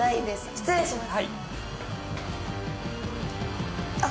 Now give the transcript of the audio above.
失礼します。